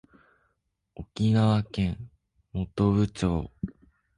沖縄県本部町